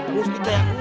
musti kayak gue